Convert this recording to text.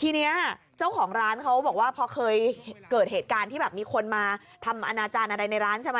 ทีนี้เจ้าของร้านเขาบอกว่าพอเคยเกิดเหตุการณ์ที่แบบมีคนมาทำอนาจารย์อะไรในร้านใช่ไหม